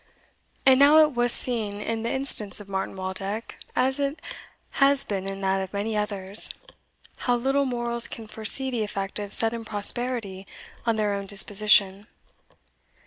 And now it was seen in the instance of Martin Waldeck, as it has been in that of many others, how little mortals can foresee the effect of sudden prosperity on their own disposition.